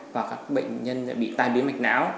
hoặc các bệnh nhân bị tai biến mạch não